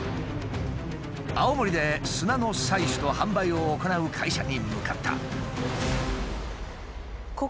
青森で砂の採取と販売を行う会社に向かった。